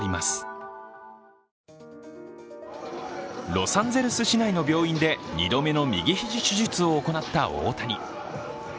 ロサンゼルス市内の病院で２度目の右肘手術を行った大谷。